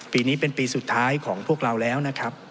ปีนี้เป็นปีสุดท้ายของพวกเราแล้วนะครับ